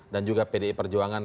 dan juga pdi perjuangan